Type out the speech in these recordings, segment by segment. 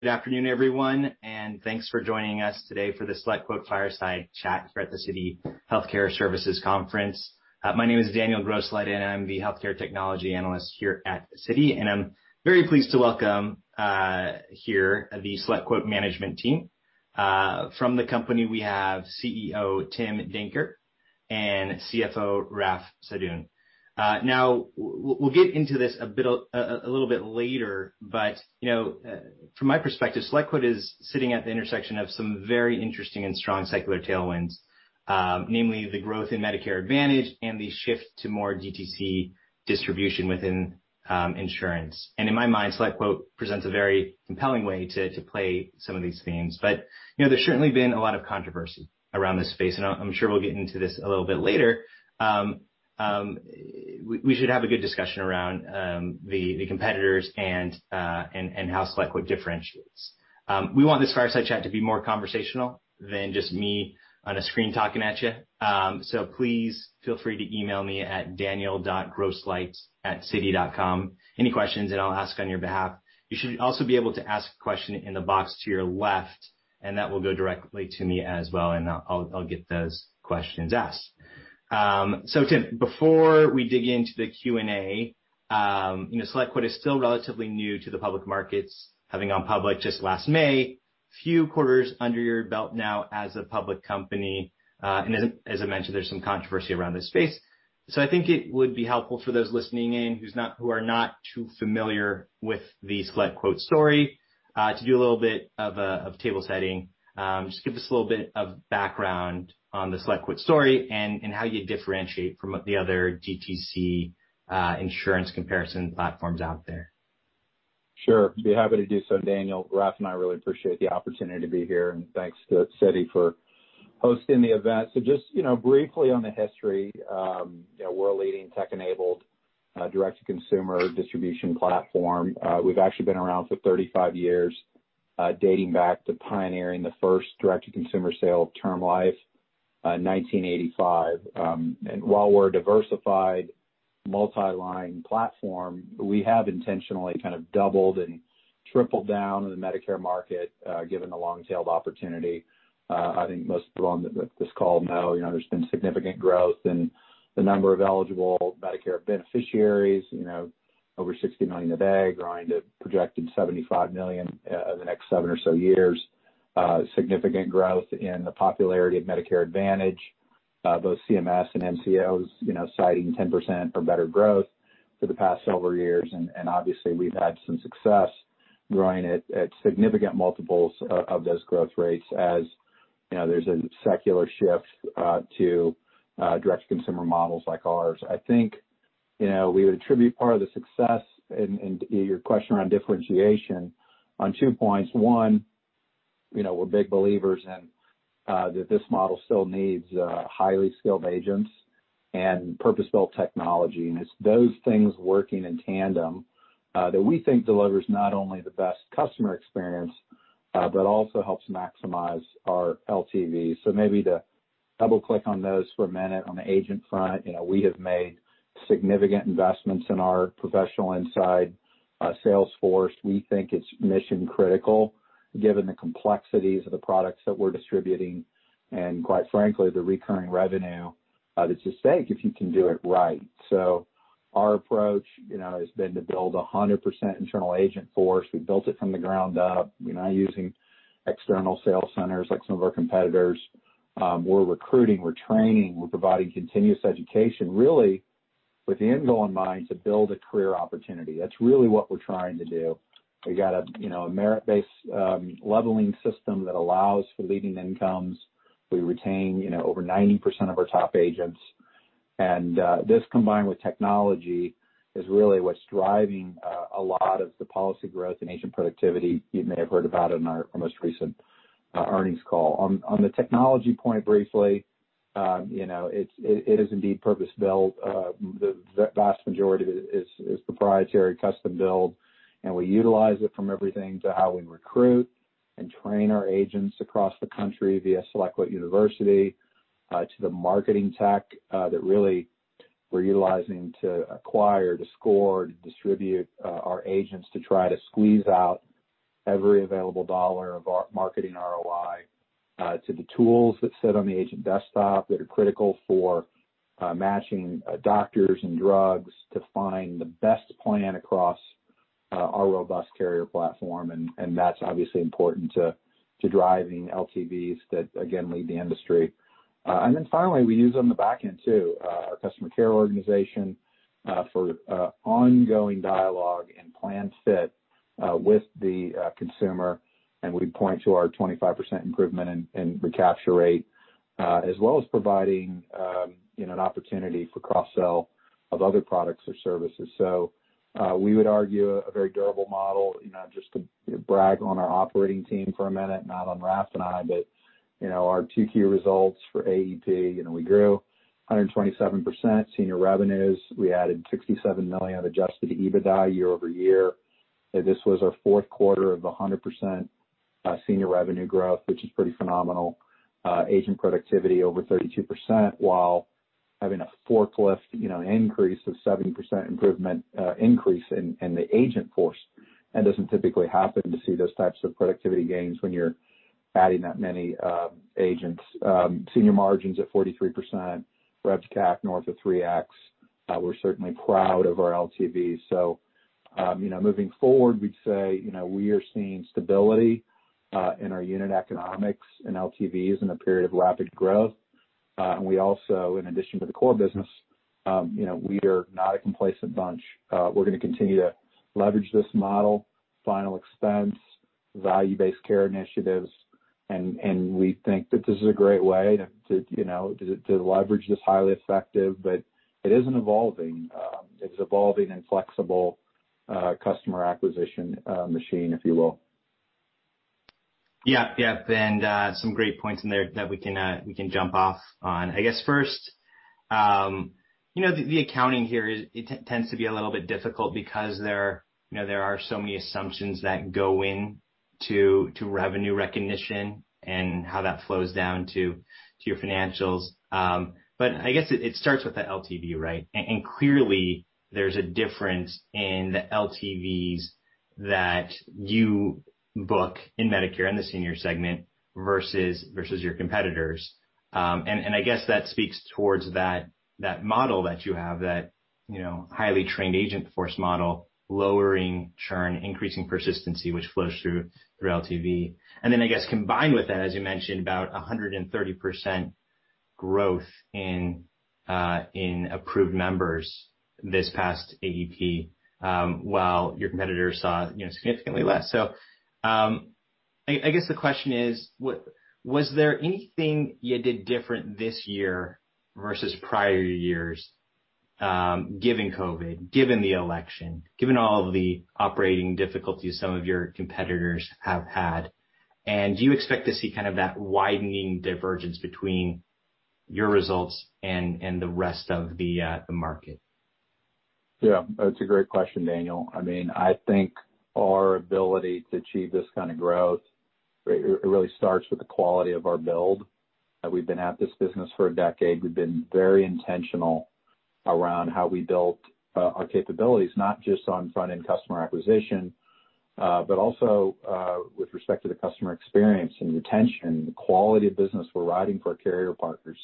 Good afternoon, everyone, thanks for joining us today for the SelectQuote Fireside Chat here at the Citi Healthcare Services Conference. My name is Daniel Grosslight, and I'm the healthcare technology analyst here at Citi, and I'm very pleased to welcome here the SelectQuote management team. From the company, we have CEO Tim Danker and CFO Raff Sadun. Now, we'll get into this a little bit later, but from my perspective, SelectQuote is sitting at the intersection of some very interesting and strong secular tailwinds. Namely, the growth in Medicare Advantage and the shift to more direct-to-consumer distribution within insurance. In my mind, SelectQuote presents a very compelling way to play some of these themes. There's certainly been a lot of controversy around this space, and I'm sure we'll get into this a little bit later. We should have a good discussion around the competitors and how SelectQuote differentiates. We want this Fireside Chat to be more conversational than just me on a screen talking at you. Please feel free to email me at daniel.grosslight@citi.com any questions, and I'll ask on your behalf. You should also be able to ask a question in the box to your left, and that will go directly to me as well, and I'll get those questions asked. Tim, before we dig into the Q&A, SelectQuote is still relatively new to the public markets, having gone public just last May. Few quarters under your belt now as a public company. As I mentioned, there's some controversy around this space. I think it would be helpful for those listening in who are not too familiar with the SelectQuote story, to do a little bit of table setting. Just give us a little bit of background on the SelectQuote story and how you differentiate from the other DTC insurance comparison platforms out there. Sure. Be happy to do so, Daniel. Raff and I really appreciate the opportunity to be here, and thanks to Citi for hosting the event. Just briefly on the history. We're a leading tech-enabled direct-to-consumer distribution platform. We've actually been around for 35 years, dating back to pioneering the first direct-to-consumer sale of term life, 1985. While we're a diversified multi-line platform, we have intentionally kind of doubled and tripled down in the Medicare market, given the long-tailed opportunity. I think most people on this call know there's been significant growth in the number of eligible Medicare beneficiaries, over 60 million today, growing to projected 75 million in the next seven or so years. Significant growth in the popularity of Medicare Advantage. Both Centers for Medicare & Medicaid Services. and managed care organizations citing 10% or better growth for the past several years, and obviously, we've had some success growing at significant multiples of those growth rates as there's a secular shift to direct-to-consumer models like ours. I think we would attribute part of the success and your question around differentiation on two points. One, we're big believers in that this model still needs highly skilled agents and purpose-built technology. It's those things working in tandem that we think delivers not only the best customer experience, but also helps maximize our lifetime value. Maybe to double-click on those for a minute. On the agent front, we have made significant investments in our professional inside sales force. We think it's mission-critical given the complexities of the products that we're distributing and, quite frankly, the recurring revenue that's at stake if you can do it right. Our approach has been to build 100% internal agent force. We built it from the ground up. We're not using external sales centers like some of our competitors. We're recruiting, we're training, we're providing continuous education, really with the end goal in mind to build a career opportunity. That's really what we're trying to do. We got a merit-based leveling system that allows for leading incomes. We retain over 90% of our top agents. This, combined with technology, is really what's driving a lot of the policy growth and agent productivity you may have heard about in our most recent earnings call. On the technology point, briefly, it is indeed purpose-built. The vast majority is proprietary custom-built. We utilize it from everything to how we recruit and train our agents across the country via SelectQuote University to the marketing tech that really we're utilizing to acquire, to score, to distribute our agents to try to squeeze out every available dollar of our marketing ROI to the tools that sit on the agent desktop that are critical for matching doctors and drugs to find the best plan across our robust carrier platform, and that's obviously important to driving LTVs that, again, lead the industry. Finally, we use on the back end, too, our customer care organization for ongoing dialogue and plan fit with the consumer, and we point to our 25% improvement in recapture rate as well as providing an opportunity for cross-sell of other products or services. We would argue a very durable model. Just to brag on our operating team for a minute, not on Raff and I, but our 2Q results for Annual Enrollment Period, we grew 127% senior revenues. We added $67 million of adjusted EBITDA year-over-year. This was our fourth quarter of 100% senior revenue growth, which is pretty phenomenal. Agent productivity over 32%, while having a forklift increase of 70% increase in the agent force. That doesn't typically happen, to see those types of productivity gains when you're adding that many agents. Senior margins at 43%, revenue to customer acquisition cost north of three X. We're certainly proud of our LTV. Moving forward, we'd say, we are seeing stability in our unit economics and LTVs in a period of rapid growth. We also, in addition to the core business, we are not a complacent bunch. We're going to continue to leverage this model, final expense, value-based care initiatives, and we think that this is a great way to leverage this highly effective, evolving and flexible customer acquisition machine, if you will. Yeah. Some great points in there that we can jump off on. I guess first, the accounting here, it tends to be a little bit difficult because there are so many assumptions that go into revenue recognition and how that flows down to your financials. I guess it starts with the LTV, right? Clearly there's a difference in the LTVs that you book in Medicare, in the senior segment, versus your competitors. I guess that speaks towards that model that you have, that highly trained agent force model, lowering churn, increasing persistency, which flows through LTV. Then, I guess combined with that, as you mentioned, about 130% growth in approved members this past AEP, while your competitors saw significantly less. I guess the question is, was there anything you did different this year versus prior years, given COVID, given the election, given all of the operating difficulties some of your competitors have had? Do you expect to see that widening divergence between your results and the rest of the market? Yeah. That's a great question, Daniel. I think our ability to achieve this kind of growth, it really starts with the quality of our build. We've been at this business for a decade. We've been very intentional around how we built our capabilities, not just on front-end customer acquisition, but also, with respect to the customer experience and retention, the quality of business we're writing for our carrier partners,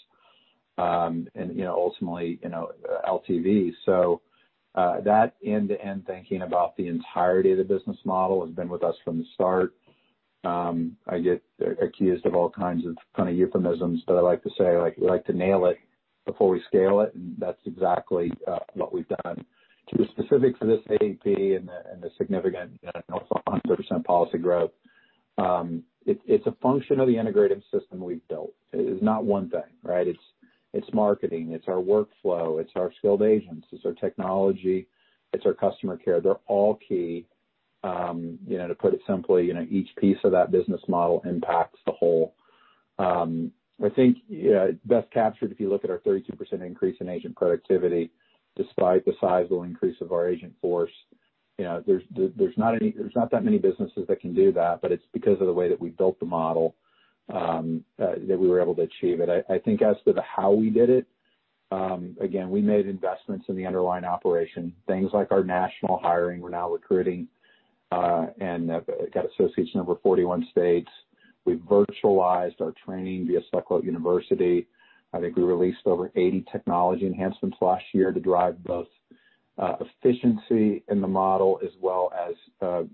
and ultimately, LTV. That end-to-end thinking about the entirety of the business model has been with us from the start. I get accused of all kinds of euphemisms, but I like to say, we like to nail it before we scale it, and that's exactly what we've done. To be specific to this AEP and the significant 130% policy growth, it's a function of the integrated system we've built. It is not one thing, right? It's marketing, it's our workflow, it's our skilled agents, it's our technology, it's our customer care. They're all key. To put it simply, each piece of that business model impacts the whole. I think it's best captured if you look at our 32% increase in agent productivity despite the sizable increase of our agent force. There's not that many businesses that can do that, but it's because of the way that we built the model, that we were able to achieve it. I think as to the how we did it, again, we made investments in the underlying operation, things like our national hiring. We're now recruiting, and got association over 41 states. We virtualized our training via SelectQuote University. I think we released over 80 technology enhancements last year to drive both efficiency in the model as well as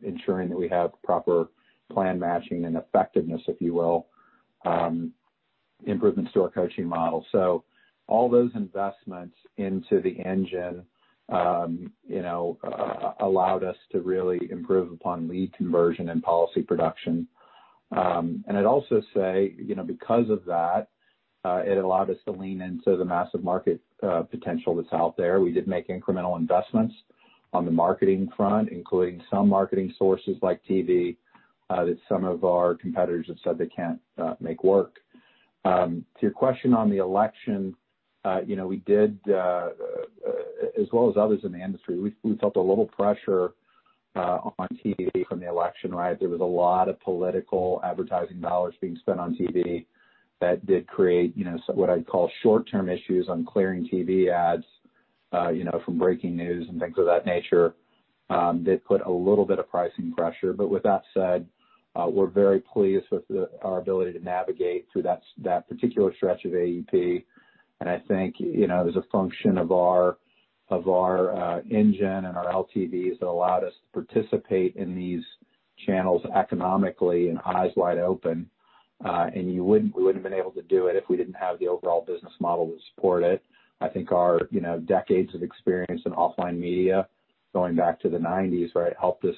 ensuring that we have proper plan matching and effectiveness, if you will, improvements to our coaching model. All those investments into the engine allowed us to really improve upon lead conversion and policy production. I'd also say, because of that, it allowed us to lean into the massive market potential that's out there. We did make incremental investments on the marketing front, including some marketing sources like TV, that some of our competitors have said they can't make work. To your question on the election, as well as others in the industry, we felt a little pressure on TV from the election, right? There was a lot of political advertising dollars being spent on TV that did create what I'd call short-term issues on clearing TV ads from breaking news and things of that nature, that put a little bit of pricing pressure. With that said, we're very pleased with our ability to navigate through that particular stretch of AEP, and I think as a function of our engine and our LTVs, that allowed us to participate in these channels economically and eyes wide open. We wouldn't have been able to do it if we didn't have the overall business model to support it. I think our decades of experience in offline media going back to the 1990s, right, helped us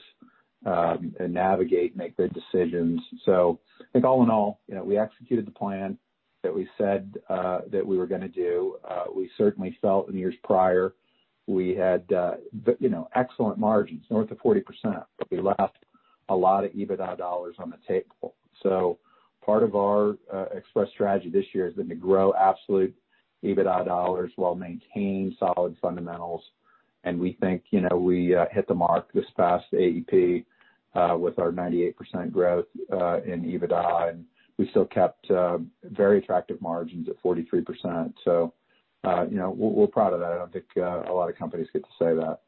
navigate and make good decisions. I think all in all, we executed the plan that we said that we were going to do. We certainly felt in years prior we had excellent margins, north of 40%, but we left a lot of EBITDA dollar on the table. Part of our express strategy this year has been to grow absolute EBITDA dollar while maintaining solid fundamentals. We think we hit the mark this past AEP with our 98% growth in EBITDA, and we still kept very attractive margins at 43%. We're proud of that. I don't think a lot of companies get to say that.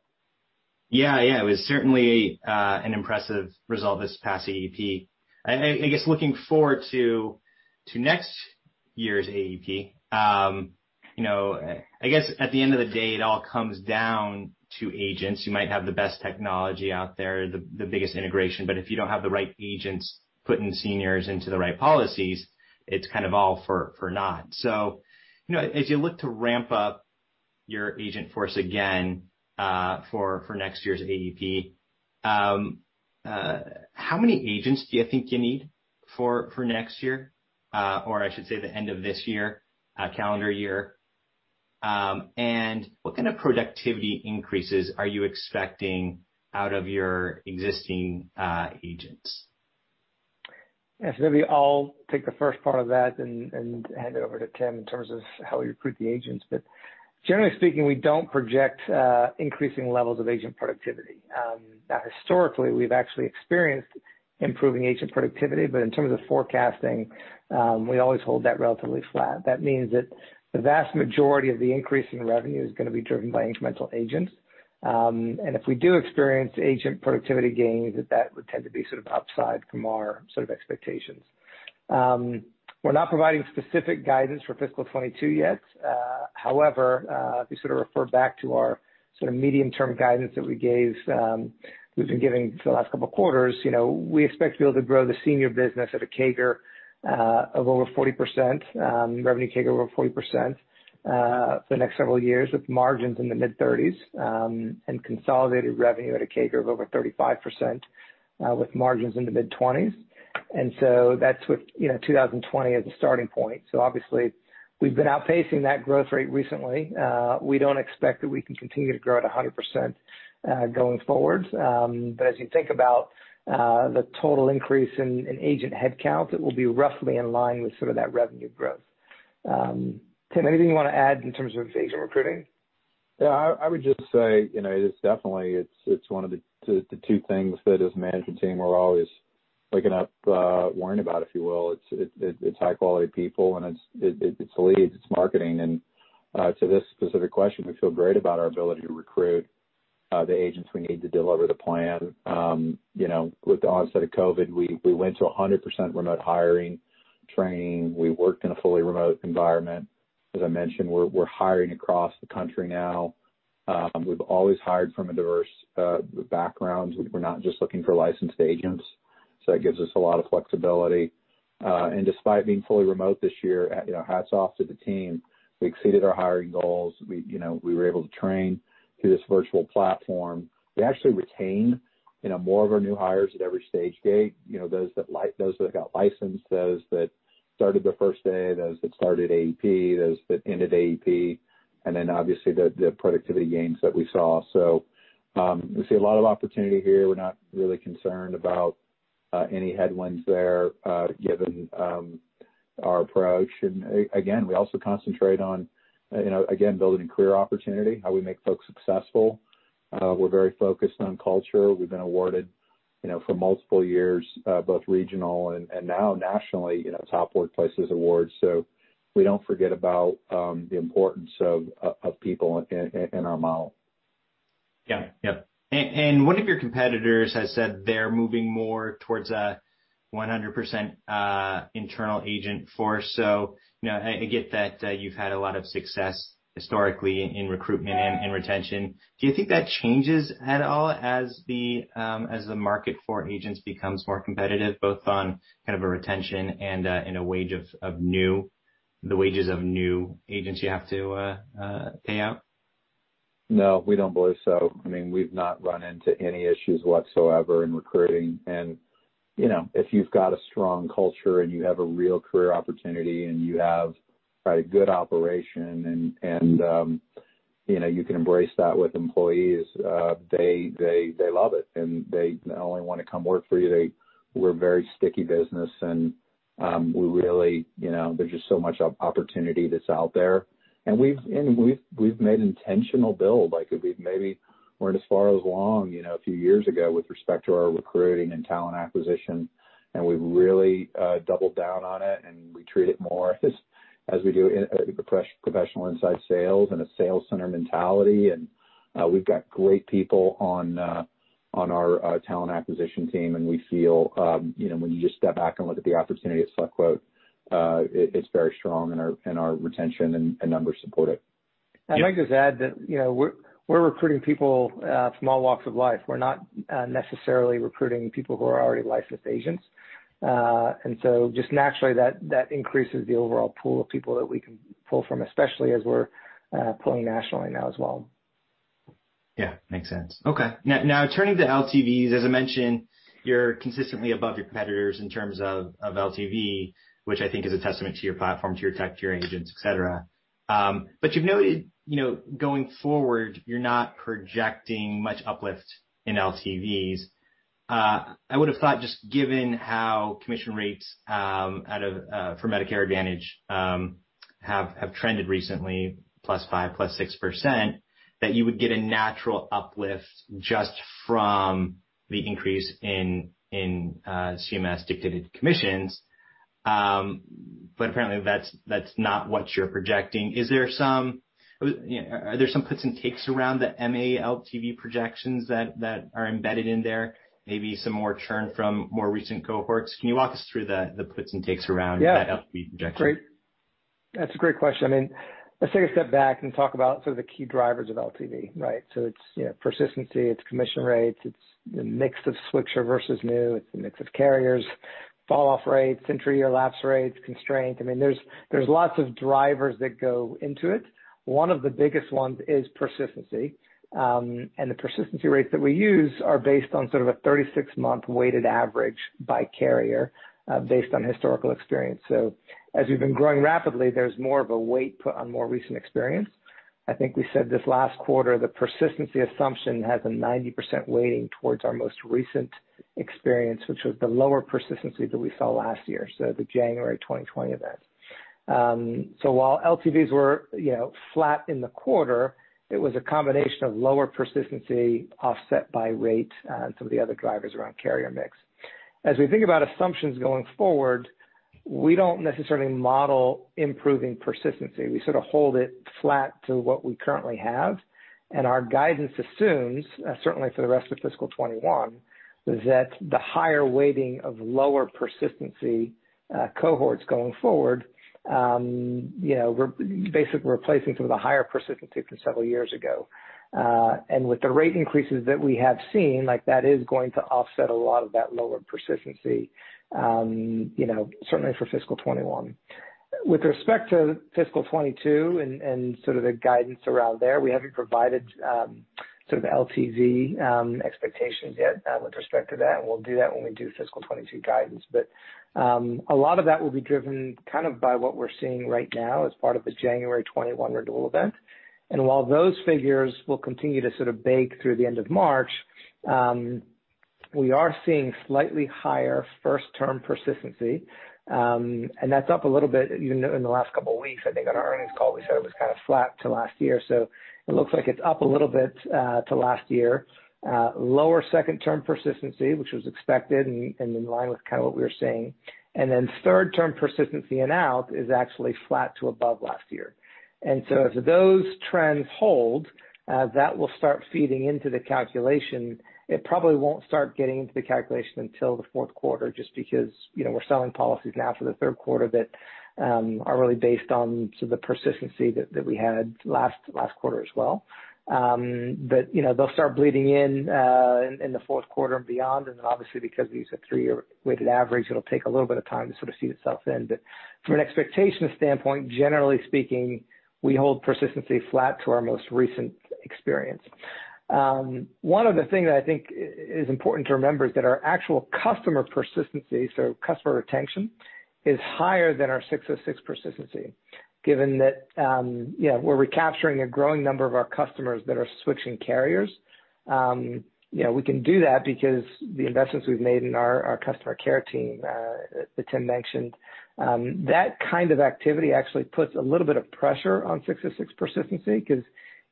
Yeah. It was certainly an impressive result this past AEP. I guess, looking forward to next year's AEP, I guess at the end of the day, it all comes down to agents. You might have the best technology out there, the biggest integration, but if you don't have the right agents putting seniors into the right policies, it's kind of all for naught. As you look to ramp up your agent force again for next year's AEP, how many agents do you think you need for next year? I should say, the end of this year, calendar year. What kind of productivity increases are you expecting out of your existing agents? Maybe I'll take the first part of that and hand it over to Tim in terms of how we recruit the agents. Generally speaking, we don't project increasing levels of agent productivity. Historically, we've actually experienced improving agent productivity, but in terms of forecasting, we always hold that relatively flat. That means that the vast majority of the increase in revenue is going to be driven by incremental agents. If we do experience agent productivity gains, that would tend to be sort of upside from our sort of expectations. We're not providing specific guidance for fiscal 2022 yet. However, if you sort of refer back to our sort of medium-term guidance that we've been giving for the last couple of quarters, we expect to be able to grow the senior business at a CAGR of over 40%, revenue CAGR over 40%, for the next several years, with margins in the mid-30s, and consolidated revenue at a CAGR of over 35%, with margins in the mid-20s. That's with 2020 as a starting point. Obviously we've been outpacing that growth rate recently. We don't expect that we can continue to grow at 100% going forward. As you think about the total increase in agent headcounts, it will be roughly in line with some of that revenue growth. Tim, anything you want to add in terms of agent recruiting? Yeah, I would just say, it is definitely one of the two things that as a management team, we're always waking up worrying about, if you will. It's high-quality people, and it's the leads, it's marketing. To this specific question, we feel great about our ability to recruit the agents we need to deliver the plan. With the onset of COVID, we went to 100% remote hiring, training. We worked in a fully remote environment. As I mentioned, we're hiring across the country now. We've always hired from diverse backgrounds. We're not just looking for licensed agents, so that gives us a lot of flexibility. Despite being fully remote this year, hats off to the team. We exceeded our hiring goals. We were able to train through this virtual platform. We actually retained more of our new hires at every stage gate. Those that got licensed, those that started the first day, those that started AEP, those that ended AEP, and then obviously the productivity gains that we saw. We see a lot of opportunity here. We're not really concerned about any headwinds there, given our approach. Again, we also concentrate on building career opportunity, how we make folks successful. We're very focused on culture. We've been awarded for multiple years, both regional and now nationally, Top Workplaces Awards. We don't forget about the importance of people in our model. Yeah. One of your competitors has said they're moving more towards a 100% internal agent force. I get that you've had a lot of success historically in recruitment and retention. Do you think that changes at all as the market for agents becomes more competitive, both on kind of a retention and in the wages of new agents you have to pay out? No, we don't believe so. We've not run into any issues whatsoever in recruiting. If you've got a strong culture and you have a real career opportunity, and you have a good operation and you can embrace that with employees, they love it, and they not only want to come work for you, we're a very sticky business, and there's just so much opportunity that's out there. We've made an intentional build. Like we maybe weren't as far along a few years ago with respect to our recruiting and talent acquisition, and we've really doubled down on it, and we treat it more as we do professional inside sales and a sales center mentality. We've got great people on our talent acquisition team, and we feel, when you just step back and look at the opportunity at SelectQuote, it's very strong, and our retention and numbers support it. I'd like to just add that we're recruiting people from all walks of life. We're not necessarily recruiting people who are already licensed agents. Just naturally, that increases the overall pool of people that we can pull from, especially as we're pulling nationally now as well. Yeah, makes sense. Okay. Turning to LTVs, as I mentioned, you're consistently above your competitors in terms of LTV, which I think is a testament to your platform, to your tech, to your agents, et cetera. Going forward, you're not projecting much uplift in LTVs. I would have thought just given how commission rates for Medicare Advantage have trended recently +5%, +6%, that you would get a natural uplift just from the increase in CMS-dictated commissions. Apparently, that's not what you're projecting. Are there some puts and takes around the Medicare Advantage LTV projections that are embedded in there? Maybe some more churn from more recent cohorts. Can you walk us through the puts and takes around that LTV projection? Great. That's a great question. Let's take a step back and talk about sort of the key drivers of LTV, right? It's persistency, it's commission rates, it's the mix of switcher versus new, it's the mix of carriers, fall-off rates, entry or lapse rates, constraint. There's lots of drivers that go into it. One of the biggest ones is persistency. The persistency rates that we use are based on sort of a 36-month weighted average by carrier, based on historical experience. As we've been growing rapidly, there's more of a weight put on more recent experience. I think we said this last quarter, the persistency assumption has a 90% weighting towards our most recent experience, which was the lower persistency that we saw last year, the January 2020 event. While LTVs were flat in the quarter, it was a combination of lower persistency offset by rate, and some of the other drivers around carrier mix. As we think about assumptions going forward, we don't necessarily model improving persistency. We sort of hold it flat to what we currently have, and our guidance assumes, certainly for the rest of fiscal 2021, that the higher weighting of lower persistency cohorts going forward, we're basically replacing some of the higher persistency from several years ago. With the rate increases that we have seen, like that is going to offset a lot of that lower persistency, certainly for fiscal 2021. With respect to fiscal 2022 and sort of the guidance around there, we haven't provided sort of LTV expectations yet with respect to that, and we'll do that when we do fiscal 2022 guidance. A lot of that will be driven kind of by what we're seeing right now as part of the January 2021 renewal event. While those figures will continue to sort of bake through the end of March, we are seeing slightly higher first-term persistency, and that's up a little bit, even in the last couple of weeks. I think on our earnings call, we said it was kind of flat to last year. It looks like it's up a little bit to last year. Lower second-term persistency, which was expected and in line with kind of what we were seeing. Third-term persistency and out is actually flat to above last year. As those trends hold, that will start feeding into the calculation. It probably won't start getting into the calculation until the fourth quarter, just because we're selling policies now for the third quarter that are really based on sort of the persistency that we had last quarter as well. They'll start bleeding in the fourth quarter and beyond. Obviously, because we use a three-year weighted average, it'll take a little bit of time to sort of seed itself in. From an expectation standpoint, generally speaking, we hold persistency flat to our most recent experience. One of the things that I think is important to remember is that our actual customer persistency, so customer retention, is higher than our ASC 606 persistency, given that we're recapturing a growing number of our customers that are switching carriers. We can do that because the investments we've made in our customer care team that Tim mentioned. That kind of activity actually puts a little bit of pressure on 606 persistency because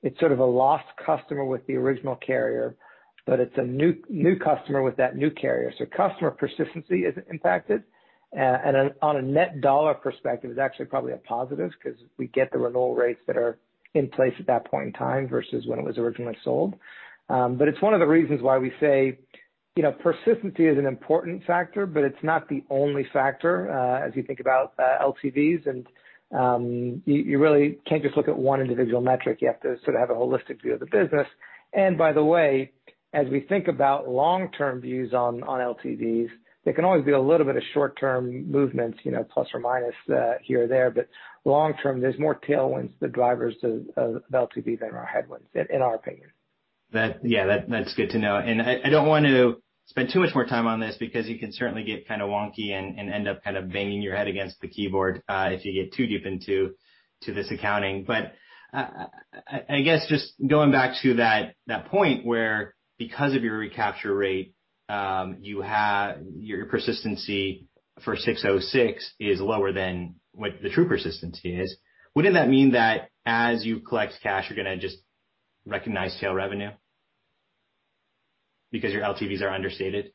it's sort of a lost customer with the original carrier, but it's a new customer with that new carrier. Customer persistency is impacted. On a net dollar perspective, it's actually probably a positive because we get the renewal rates that are in place at that point in time versus when it was originally sold. It's one of the reasons why we say persistency is an important factor, but it's not the only factor as you think about LTVs. You really can't just look at one individual metric. You have to sort of have a holistic view of the business. By the way, as we think about long-term views on LTVs, there can always be a little bit of short-term movements, plus or minus, here or there. Long-term, there's more tailwinds that drives those LTVs than are headwinds in our opinion. Yeah. That's good to know. I don't want to spend too much more time on this because you can certainly get kind of wonky and end up kind of banging your head against the keyboard if you get too deep into this accounting. I guess just going back to that point where because of your recapture rate, your persistency for 606 is lower than what the true persistency is. Wouldn't that mean that as you collect cash, you're going to just recognize sale revenue because your LTVs are understated?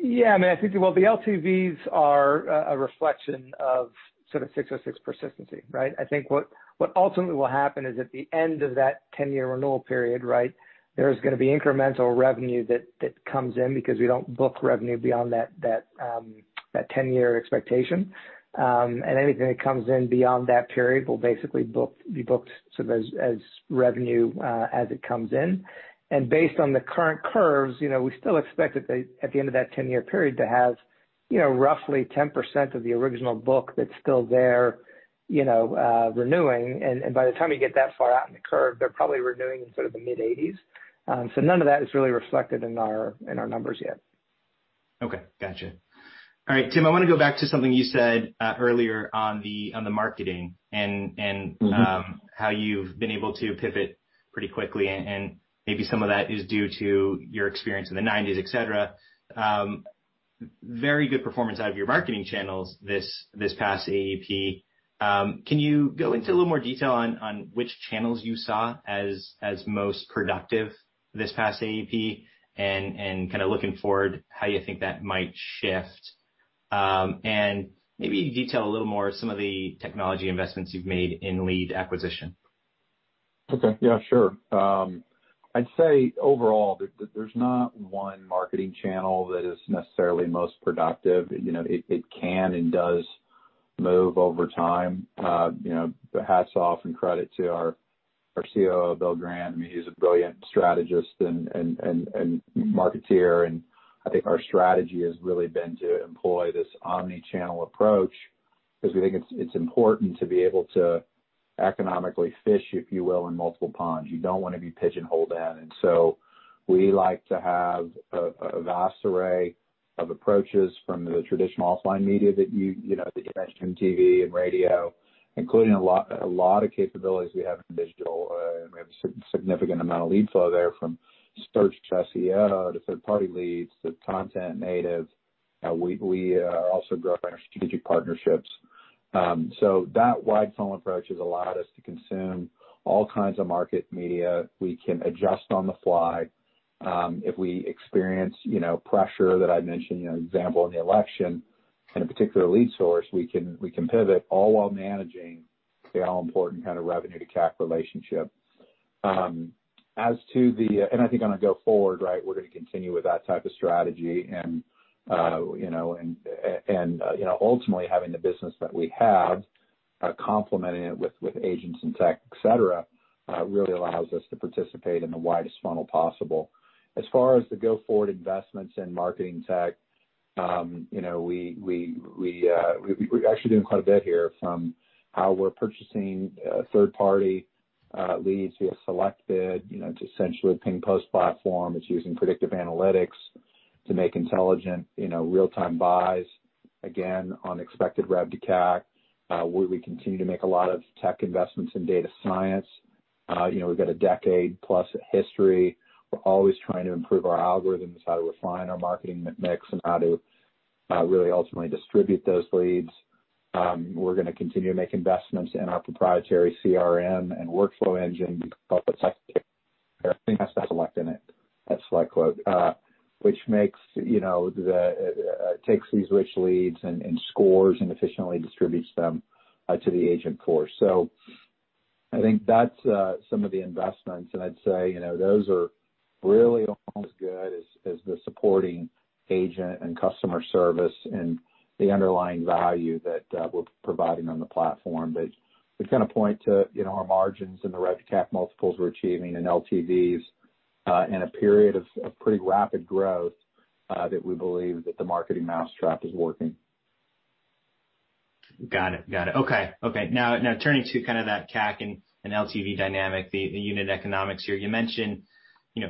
Yeah. The LTVs are a reflection of sort of 606 persistency, right? I think what ultimately will happen is at the end of that 10-year renewal period, right, there is going to be incremental revenue that comes in because we don't book revenue beyond that 10-year expectation. Anything that comes in beyond that period will basically be booked sort of as revenue as it comes in. Based on the current curves, we still expect that at the end of that 10-year period to have roughly 10% of the original book that's still there renewing. By the time you get that far out in the curve, they're probably renewing in sort of the mid-80s. None of that is really reflected in our numbers yet. Okay. Got you. All right, Tim, I want to go back to something you said earlier on the marketing. How you've been able to pivot pretty quickly, and maybe some of that is due to your experience in the 1990s, et cetera. Very good performance out of your marketing channels this past AEP. Can you go into a little more detail on which channels you saw as most productive this past AEP and kind of looking forward, how you think that might shift? Maybe detail a little more some of the technology investments you've made in lead acquisition? Okay. Yeah, sure. I'd say overall, there's not one marketing channel that is necessarily most productive. It can and does move over time. Hats off and credit to our Chief Operating Officer, Bill Grant. I mean, he's a brilliant strategist and marketeer, and I think our strategy has really been to employ this omni-channel approach because we think it's important to be able to economically fish, if you will, in multiple ponds. You don't want to be pigeonholed in. We like to have a vast array of approaches from the traditional offline media that you mentioned, TV and radio, including a lot of capabilities we have in digital. We have a significant amount of lead flow there from search to search engine optimization to third-party leads to content native. We are also growing our strategic partnerships. That wide funnel approach has allowed us to consume all kinds of market media. We can adjust on the fly. If we experience pressure that I mentioned, for example, in the election in a particular lead source, we can pivot all while managing the all-important kind of rev to CAC relationship. I think on a go-forward, we're going to continue with that type of strategy. Ultimately having the business that we have, complementing it with agents and tech, et cetera, really allows us to participate in the widest funnel possible. As far as the go-forward investments in marketing tech, we're actually doing quite a bit here from how we're purchasing third-party leads. We have SelectBid, it's essentially a ping post platform. It's using predictive analytics to make intelligent real-time buys, again, on expected revenue to CAC, where we continue to make a lot of tech investments in data science. We've got a decade plus of history. We're always trying to improve our algorithms, how to refine our marketing mix, and how to really ultimately distribute those leads. We're going to continue to make investments in our proprietary CRM and workflow engine called [SelectCore]. That's SelectQuote, which takes these rich leads and scores and efficiently distributes them to the agent force. I think that's some of the investments, and I'd say those are really almost as good as the supporting agent and customer service and the underlying value that we're providing on the platform. We kind of point to our margins and the revenue to CAC multiples we're achieving and LTVs in a period of pretty rapid growth, that we believe that the marketing mousetrap is working. Got it. Okay. Now turning to kind of that CAC and LTV dynamic, the unit economics here. You mentioned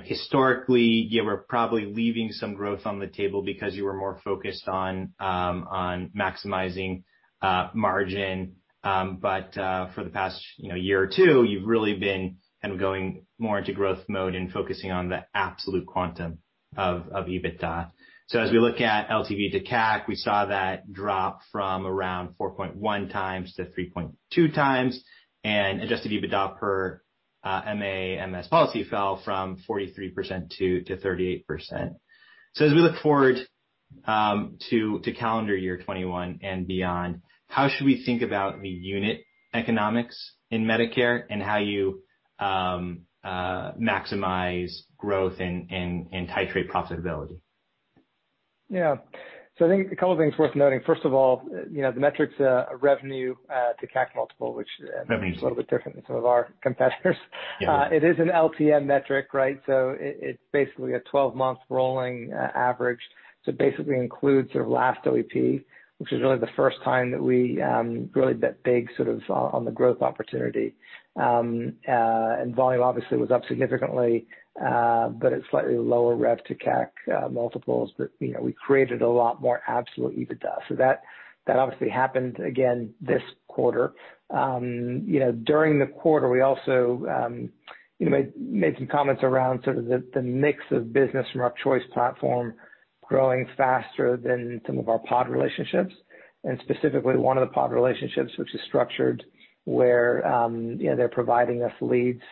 historically, you were probably leaving some growth on the table because you were more focused on maximizing margin. For the past year or two, you've really been kind of going more into growth mode and focusing on the absolute quantum of EBITDA. As we look at LTV to CAC, we saw that drop from around 4.1x to 3.2x, and adjusted EBITDA per Medicare Advantage-Medicare Supplement policy fell from 43% to 38%. As we look forward to calendar year 2021 and beyond, how should we think about the unit economics in Medicare and how you maximize growth and titrate profitability? Yeah. I think a couple of things worth noting. First of all, the metrics revenue to CAC multiple, which is a little bit different than some of our competitors. Yeah. It is an LTM metric, right? It's basically a 12-month rolling average. It basically includes your last Open Enrollment Period, which is really the first time that we really bet big sort of on the growth opportunity. Volume obviously was up significantly, but at slightly lower revenue to CAC multiples. We created a lot more absolute EBITDA. That obviously happened again this quarter. During the quarter, we also made some comments around sort of the mix of business from our Choice platform growing faster than some of our POD relationships, and specifically one of the POD relationships, which is structured where they're providing us leads,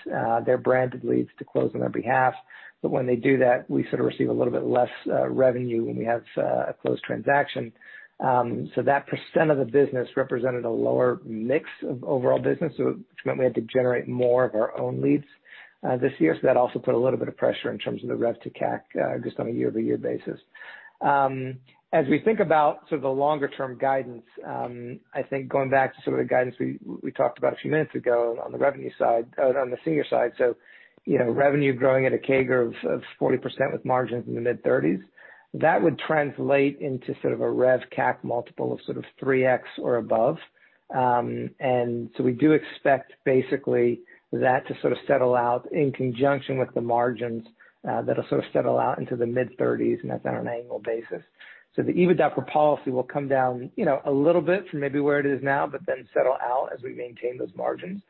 their branded leads to close on their behalf. When they do that, we sort of receive a little bit less revenue when we have a closed transaction. That percent of the business represented a lower mix of overall business, which meant we had to generate more of our own leads this year. That also put a little bit of pressure in terms of the revenue to CAC, just on a year-over-year basis. As we think about the longer-term guidance, going back to some of the guidance we talked about a few minutes ago on the revenue side, on the senior side, revenue growing at a CAGR of 40% with margins in the mid-30s. That would translate into a rev-CAC multiple of 3x or above. We do expect that to settle out in conjunction with the margins that'll settle out into the mid-30s, and that's on an annual basis. The EBITDA per policy will come down a little bit from maybe where it is now, but then settle out as we maintain those margins.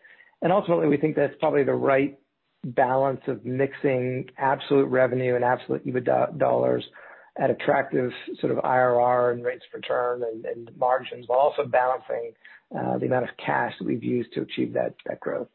Ultimately, we think that's probably the right balance of mixing absolute revenue and absolute EBITDA dollars at attractive sort of IRR and rates of return and margins, while also balancing the amount of cash that we've used to achieve that growth.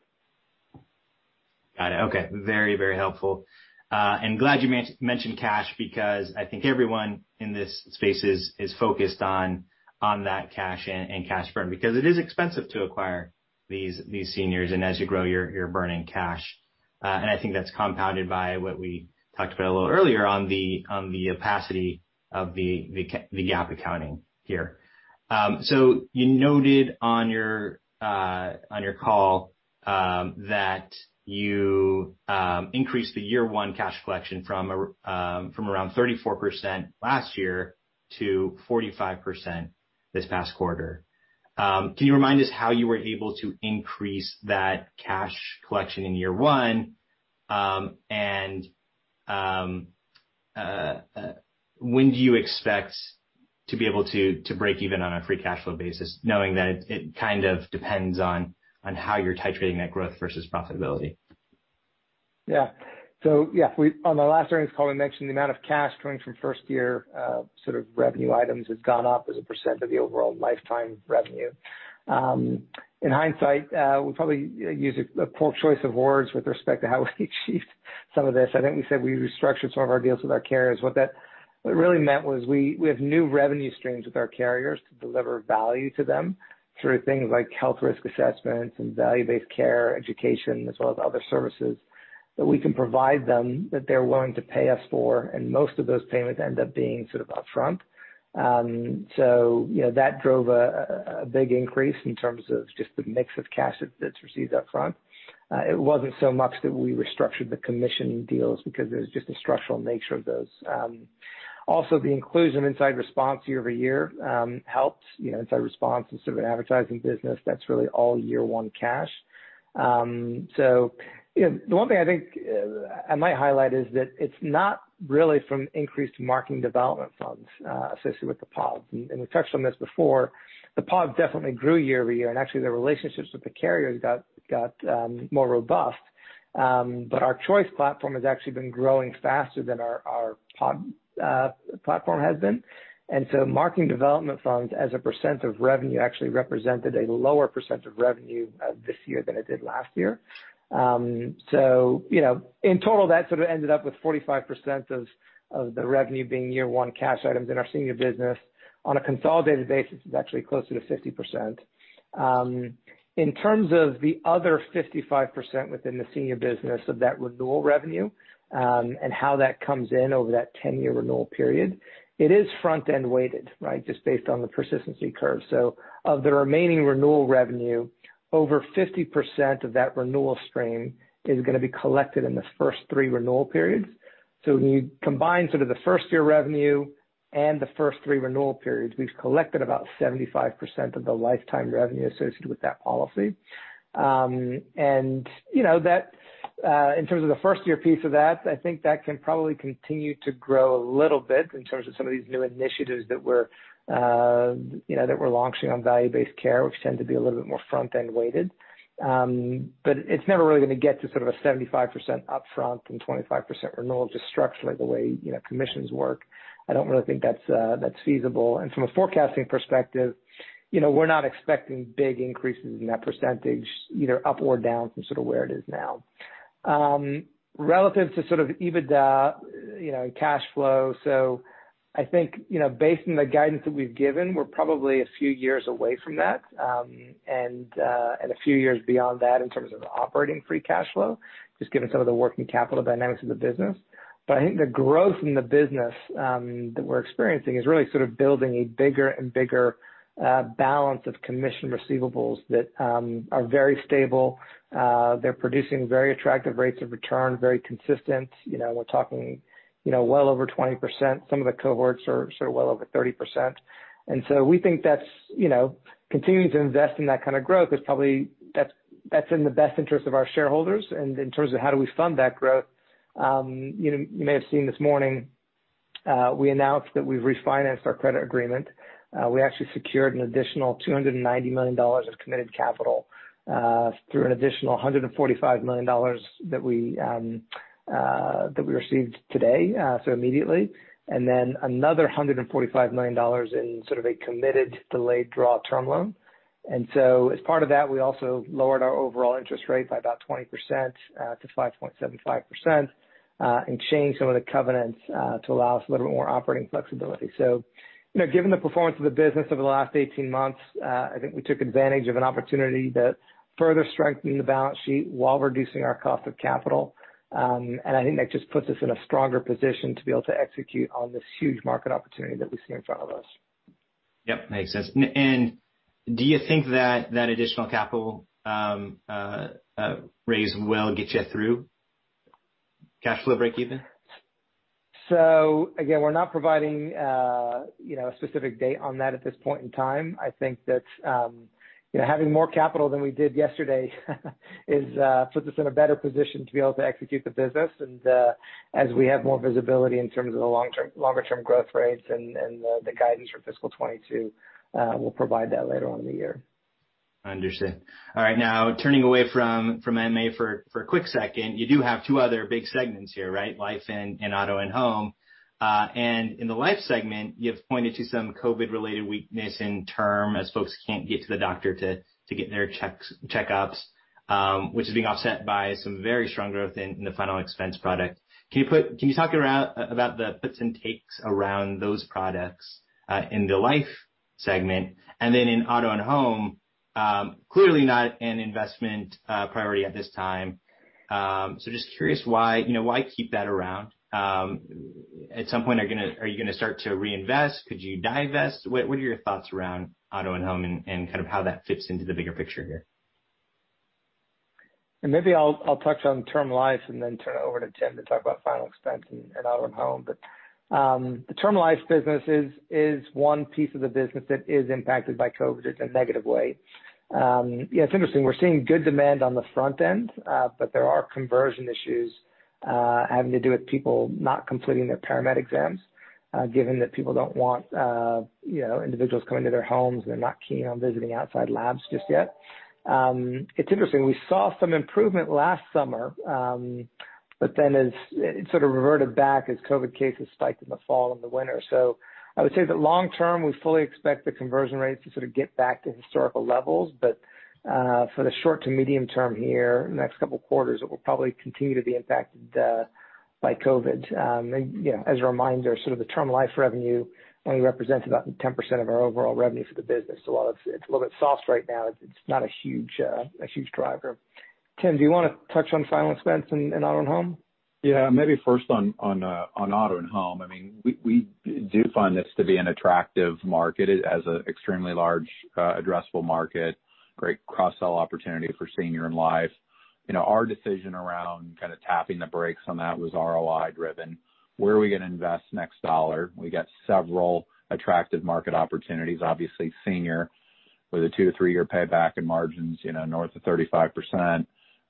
Got it. Okay. Very helpful. Glad you mentioned cash because I think everyone in this space is focused on that cash and cash burn, because it is expensive to acquire these seniors, and as you grow, you're burning cash. I think that's compounded by what we talked about a little earlier on the opacity of the GAAP accounting here. You noted on your call that you increased the year one cash collection from around 34% last year to 45% this past quarter. Can you remind us how you were able to increase that cash collection in year one? When do you expect to be able to break even on a free cash flow basis, knowing that it kind of depends on how you're titrating that growth versus profitability? Yeah. On the last earnings call, we mentioned the amount of cash coming from first-year sort of revenue items has gone up as a percent of the overall lifetime revenue. In hindsight, we'll probably use a poor choice of words with respect to how we achieved some of this. I think we said we restructured some of our deals with our carriers. What that really meant was we have new revenue streams with our carriers to deliver value to them through things like health risk assessments and value-based care education, as well as other services that we can provide them that they're willing to pay us for, and most of those payments end up being sort of upfront. That drove a big increase in terms of just the mix of cash that's received upfront. It wasn't so much that we restructured the commission deals because it was just the structural nature of those. The inclusion of InsideResponse year-over-year helped. InsideResponse is sort of an advertising business that's really all year one cash. The one thing I think I might highlight is that it's not really from increased marketing development funds associated with the POD. We've touched on this before. The POD definitely grew year-over-year, and actually, the relationships with the carriers got more robust. Our Choice platform has actually been growing faster than our POD platform has been. Marketing development funds as a percent of revenue actually represented a lower percent of revenue this year than it did last year. In total, that sort of ended up with 45% of the revenue being year one cash items in our senior business. On a consolidated basis, it's actually closer to 50%. In terms of the other 55% within the senior business of that renewal revenue, and how that comes in over that 10-year renewal period, it is front-end weighted, right? Just based on the persistency curve. Of the remaining renewal revenue, over 50% of that renewal stream is going to be collected in the first three renewal periods. When you combine sort of the first-year revenue and the first three renewal periods, we've collected about 75% of the lifetime revenue associated with that policy. In terms of the first-year piece of that, I think that can probably continue to grow a little bit in terms of some of these new initiatives that we're launching on value-based care, which tend to be a little bit more front-end weighted. It's never really going to get to sort of a 75% upfront and 25% renewal, just structurally the way commissions work. I don't really think that's feasible. From a forecasting perspective, we're not expecting big increases in that percentage, either up or down from sort of where it is now. Relative to sort of EBITDA and cash flow, I think based on the guidance that we've given, we're probably a few years away from that, and a few years beyond that in terms of operating free cash flow, just given some of the working capital dynamics of the business. I think the growth in the business that we're experiencing is really sort of building a bigger and bigger balance of commission receivables that are very stable. They're producing very attractive rates of return, very consistent. We're talking well over 20%. Some of the cohorts are sort of well over 30%. We think continuing to invest in that kind of growth is probably in the best interest of our shareholders. In terms of how do we fund that growth, you may have seen this morning, we announced that we've refinanced our credit agreement. We actually secured an additional $290 million of committed capital through an additional $145 million that we received today, so immediately, and then another $145 million in sort of a committed delayed draw term loan. As part of that, we also lowered our overall interest rate by about 20% to 5.75% and changed some of the covenants to allow us a little bit more operating flexibility. Given the performance of the business over the last 18 months, I think we took advantage of an opportunity to further strengthen the balance sheet while reducing our cost of capital. I think that just puts us in a stronger position to be able to execute on this huge market opportunity that we see in front of us. Yep, makes sense. Do you think that additional capital raise will get you through cash flow breakeven? Again, we're not providing a specific date on that at this point in time. I think that having more capital than we did yesterday puts us in a better position to be able to execute the business. As we have more visibility in terms of the longer-term growth rates and the guidance for fiscal 2022, we'll provide that later on in the year. Understood. All right. Now turning away from MA for a quick second, you do have two other big segments here, right? Life and auto and home. In the life segment, you've pointed to some COVID related weakness in term as folks can't get to the doctor to get their checkups, which is being offset by some very strong growth in the final expense product. Can you talk about the puts and takes around those products, in the life segment? Then in auto and home, clearly not an investment priority at this time. Just curious why keep that around? At some point, are you going to start to reinvest? Could you divest? What are your thoughts around auto and home and kind of how that fits into the bigger picture here? Maybe I'll touch on term life and then turn it over to Tim to talk about final expense in auto and home. The term life business is one piece of the business that is impacted by COVID in a negative way. Yeah, it's interesting. We're seeing good demand on the front end, but there are conversion issues, having to do with people not completing their paramedical exams, given that people don't want individuals coming to their homes. They're not keen on visiting outside labs just yet. It's interesting, we saw some improvement last summer, but then it sort of reverted back as COVID cases spiked in the fall and the winter. I would say that long term, we fully expect the conversion rates to sort of get back to historical levels. For the short to medium term here, next couple of quarters, it will probably continue to be impacted by COVID. As a reminder, sort of the term life revenue only represents about 10% of our overall revenue for the business. It's a little bit soft right now. It's not a huge driver. Tim, do you want to touch on final expense in auto and home? Yeah. Maybe first on auto and home, we do find this to be an attractive market. It has an extremely large addressable market, great cross-sell opportunity for senior and life. Our decision around kind of tapping the brakes on that was ROI driven. Where are we going to invest next dollar? We got several attractive market opportunities, obviously senior with a two to three-year payback in margins north of 35%,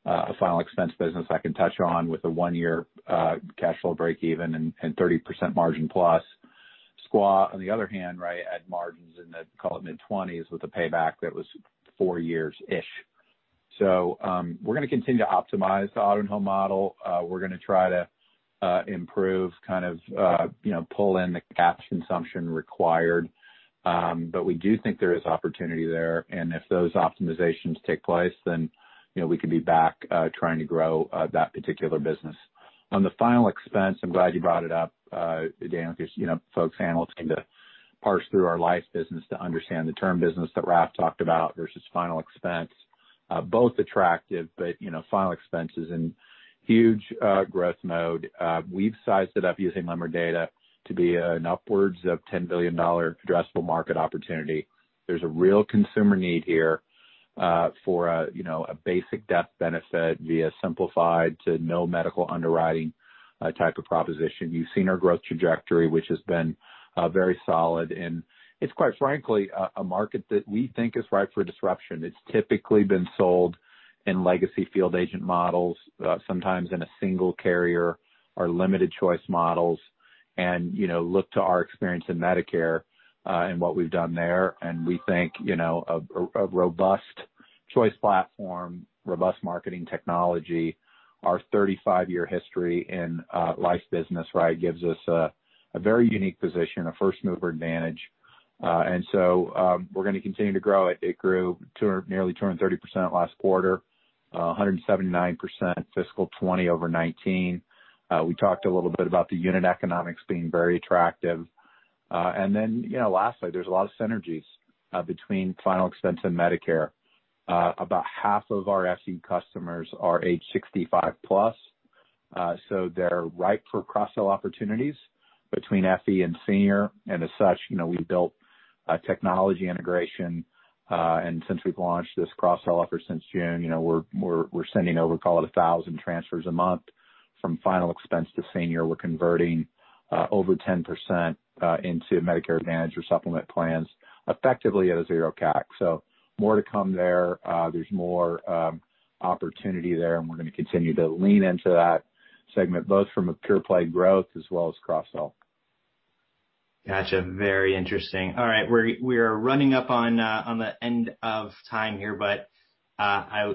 a final expense business I can touch on with a one-year cash flow break even and 30% margin plus. SelectQuote on the other hand, at margins in the, call it mid-20s, with a payback that was four years-ish. We're going to continue to optimize the auto and home model. We're going to try to improve kind of pull in the cash consumption required. We do think there is opportunity there, and if those optimizations take place, then we could be back trying to grow that particular business. On the final expense, I'm glad you brought it up, Daniel, because folks, analysts, tend to parse through our life business to understand the term business that Raff talked about versus final expense, both attractive, but final expense is in huge growth mode. We've sized it up using member data to be an upwards of $10 billion addressable market opportunity. There's a real consumer need here for a basic death benefit via simplified to no medical underwriting type of proposition. You've seen our growth trajectory, which has been very solid, and it's quite frankly, a market that we think is ripe for disruption. It's typically been sold in legacy field agent models, sometimes in a single carrier or limited choice models. Look to our experience in Medicare, and what we've done there, and we think a robust Choice platform, robust marketing technology, our 35-year history in life business gives us a very unique position, a first-mover advantage. We're going to continue to grow it. It grew to nearly 230% last quarter, 179% fiscal 2020 over 2019. We talked a little bit about the unit economics being very attractive. Lastly, there's a lot of synergies between final expense and Medicare. About half of our final expense customers are age 65+. They're ripe for cross-sell opportunities between FE and senior, and as such, we built a technology integration, and since we've launched this cross-sell offer since June, we're sending over, call it 1,000 transfers a month from final expense to senior. We're converting over 10% into Medicare Advantage or supplement plans effectively at a zero CAC. More to come there. There's more opportunity there, and we're going to continue to lean into that segment, both from a pure play growth as well as cross-sell. Got you. Very interesting. All right. We are running up on the end of time here, but I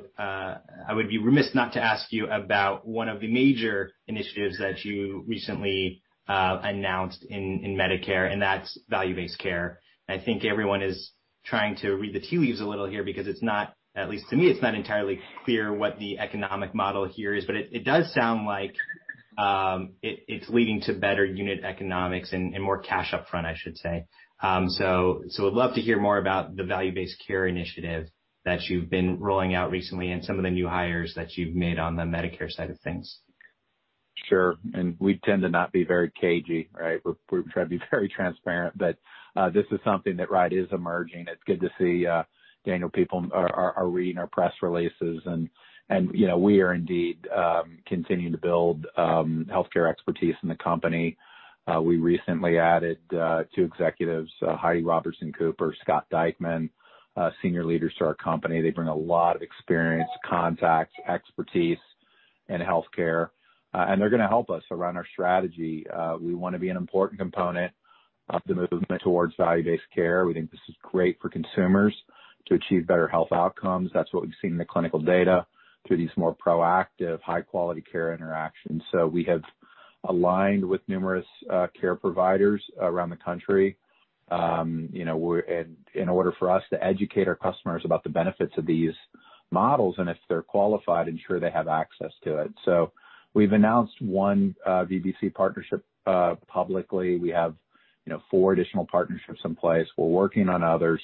would be remiss not to ask you about one of the major initiatives that you recently announced in Medicare, and that's value-based care. I think everyone is trying to read the tea leaves a little here because it's not, at least to me, it's not entirely clear what the economic model here is. It does sound like it's leading to better unit economics and more cash up front, I should say. Would love to hear more about the value-based care initiative that you've been rolling out recently and some of the new hires that you've made on the Medicare side of things. Sure. We tend to not be very cagey, right? We try to be very transparent, this is something that is emerging. It's good to see, Daniel, people are reading our press releases. We are indeed continuing to build healthcare expertise in the company. We recently added two executives, Heidy Robertson-Cooper, Scott Dikeman, senior leaders to our company. They bring a lot of experience, contacts, expertise. In healthcare, they're going to help us around our strategy. We want to be an important component of the movement towards value-based care. We think this is great for consumers to achieve better health outcomes. That's what we've seen in the clinical data through these more proactive, high-quality care interactions. We have aligned with numerous care providers around the country in order for us to educate our customers about the benefits of these models, and if they're qualified, ensure they have access to it. We've announced one value-based care partnership publicly. We have four additional partnerships in place. We're working on others.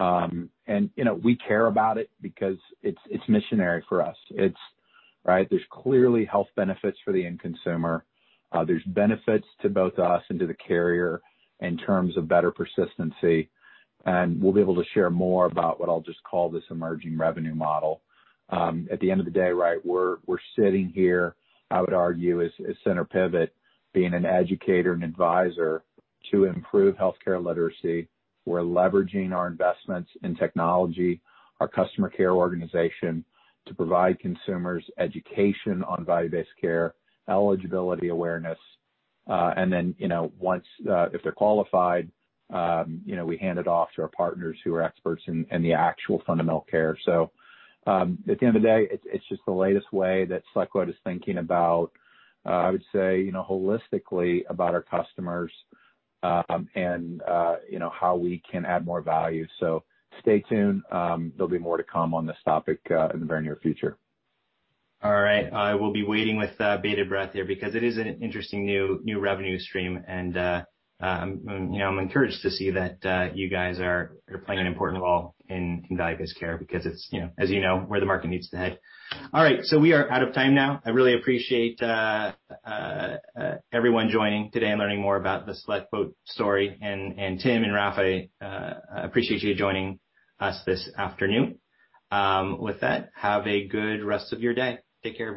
We care about it because it's missionary for us. There's clearly health benefits for the end consumer. There's benefits to both us and to the carrier in terms of better persistency. We'll be able to share more about what I'll just call this emerging revenue model. At the end of the day, we're sitting here, I would argue, as center pivot, being an educator and advisor to improve healthcare literacy. We're leveraging our investments in technology, our customer care organization, to provide consumers education on value-based care, eligibility awareness. If they're qualified, we hand it off to our partners who are experts in the actual fundamental care. At the end of the day, it's just the latest way that SelectQuote is thinking about, I would say, holistically about our customers, and how we can add more value. Stay tuned. There'll be more to come on this topic in the very near future. All right. I will be waiting with bated breath here because it is an interesting new revenue stream, and I'm encouraged to see that you guys are playing an important role in value-based care because it's, as you know, where the market needs to head. All right, we are out of time now. I really appreciate everyone joining today and learning more about the SelectQuote story. Tim and Raff, I appreciate you joining us this afternoon. With that, have a good rest of your day. Take care, everyone.